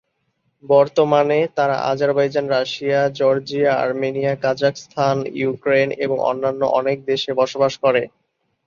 বর্তমানে, তারা Azerbaijan, Russia, Georgia, Armenia, Kazakhstan, Ukraine এবং অন্যান্য অনেক দেশে বসবাস করে।